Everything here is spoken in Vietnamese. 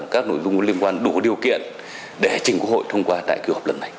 các nội dung liên quan đủ điều kiện để trình quốc hội thông qua tại cuộc hợp lần này